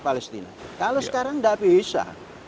palestina kalau sekarang tidak bisa